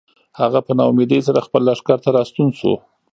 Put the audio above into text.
هغه په ناامیدۍ سره خپل لښکر ته راستون شو.